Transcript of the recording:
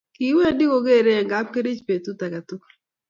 kiwendi kogeerei Eng' kapkerich betut age tugul.